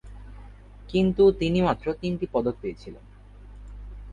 কিন্তু তিনি মাত্র তিনটি পদক পেয়েছিলেন।